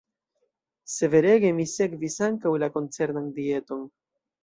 Severege mi sekvis ankaŭ la koncernan dieton.